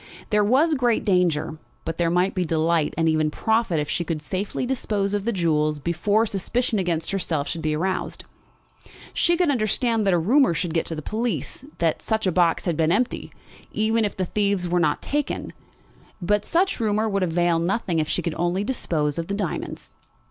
There was great danger, but there might be delight and even profit if she could safely dispose of the jewels before suspicion against herself should be aroused. She could understand that a rumour should get to the police that the box had been empty, even if the thieves were not taken; but such rumour would avail nothing if she could only dispose of the diamonds.